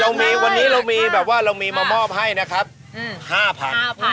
ง่ายจากวันนี้เรามีความรับมอบ๕พันพัน